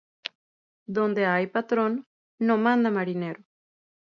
Donde hay patron, no manda marinero.